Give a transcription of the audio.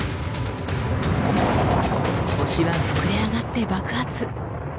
星は膨れ上がって爆発。